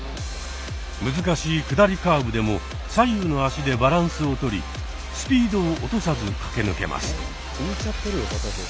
難しい下りカーブでも左右の足でバランスをとりスピードを落とさず駆け抜けます。